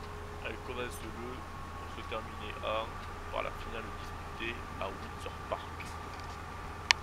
Elle commence le pour se terminer en par la finale disputée à Windsor Park.